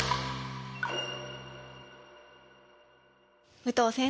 武藤先生。